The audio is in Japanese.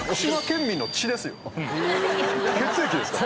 血液ですから。